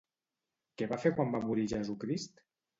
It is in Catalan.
Què va fer quan va morir Jesucrist?